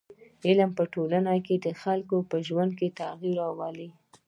علم په ټولنه کي د خلکو په ژوند کي تغیر راولي.